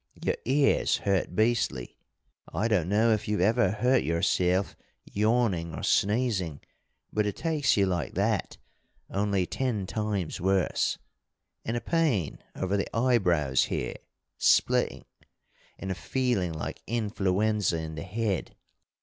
Your ears hurt beastly. I don't know if you've ever hurt yourself yawning or sneezing, but it takes you like that, only ten times worse. And a pain over the eyebrows here splitting and a feeling like influenza in the head.